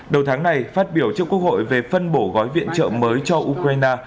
đầu tháng này phát biểu trước quốc hội về phân bổ gói viện trợ mới cho ukraine